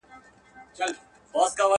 څوک چي په تېغ لوبي کوي زخمي به سینه.